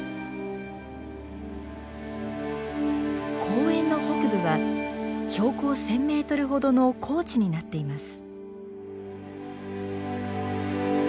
公園の北部は標高１，０００メートルほどの高地になっています。